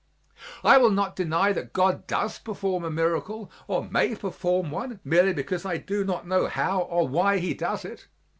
I will not deny that God does perform a miracle or may perform one merely because I do not know how or why He does it.